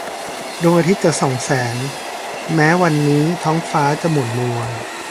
ดวงอาทิตย์จะส่องแสง แม้วันนี้ท้องฟ้าจะหม่นมัว